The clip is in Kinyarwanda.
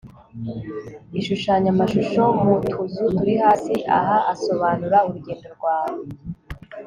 ishushanya amashusho mu tuzu turi hasi aha asobanura urugendo rwawe